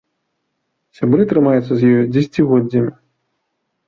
Сябры трымаюцца з ёю дзесяцігоддзямі.